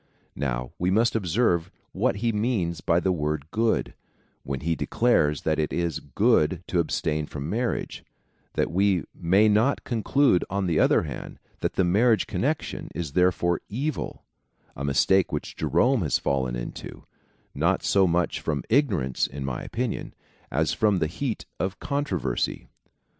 Now we must observe what he means by the word good, when he declares that it is good to abstain from marriage, that we may not conclude, on the other hand, that the marriage connection is therefore evil — a mistake which Jerome has fallen into, not so much from ignorance, in my opinion, as from the heat of con troversy.